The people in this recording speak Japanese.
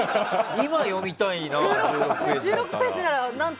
今読みたいな。